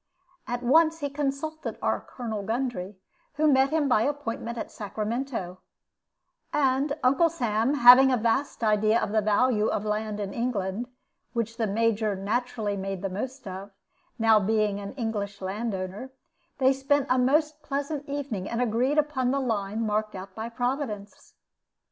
At once he consulted our Colonel Gundry, who met him by appointment at Sacramento; and Uncle Sam having a vast idea of the value of land in England, which the Major naturally made the most of, now being an English land owner, they spent a most pleasant evening, and agreed upon the line marked out by Providence.